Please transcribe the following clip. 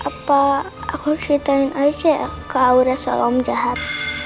apa aku ceritain aja ke aura seolah olah jahat